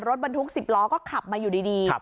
รถบรรทุก๑๐ล้อก็ขับมาอยู่ดี